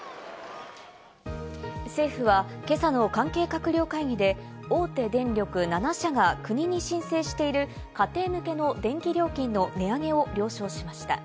政府は今朝の関係閣僚会議で大手電力７社が国に申請している家庭向けの電気料金の値上げを了承しました。